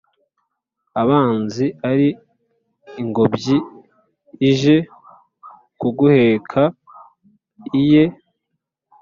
Ubanza ari ingobyi ije kuguheka iyeee